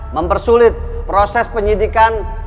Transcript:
mempersulit proses penyidikan